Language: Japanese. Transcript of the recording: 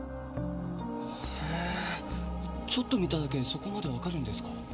へぇちょっと見ただけでそこまでわかるんですか？